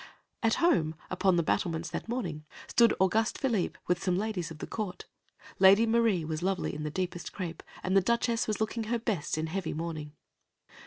At home, upon the battlements, that morning, stood Auguste Philippe with some ladies of the court. (Lady Marie was lovely in deepest crêpe, and the Duchess was looking her best in heavy mourning.)